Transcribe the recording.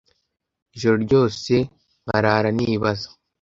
ijoro ryose nkarara nibaza